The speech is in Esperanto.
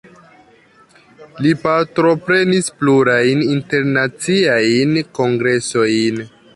Li partoprenis plurajn internaciajn kongresojn.